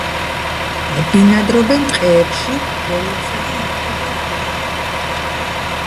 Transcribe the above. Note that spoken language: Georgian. ბინადრობენ ტყეებში, ველებსა და ნახევრად უდაბნოებში.